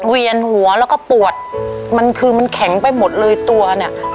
เวียนหัวแล้วก็ปวดมันคือมันแข็งไปหมดเลยตัวเนี่ย